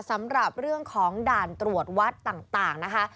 สำหรับเรื่องของด่านตรวจวัดต่างนะคะ